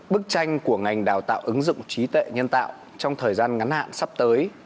bức tranh của ngành đào tạo ứng dụng trí tuệ nhân tạo trong thời gian ngắn hạn sắp tới